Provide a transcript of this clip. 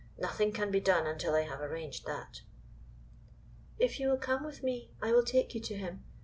Nothing can be done until I have arranged that." "If you will come with me I will take you to him.